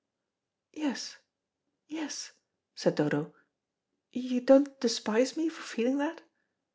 "Yes, yes," said Dodo. "You don't despise me for feeling that?"